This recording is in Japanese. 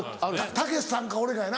たけしさんか俺かやな。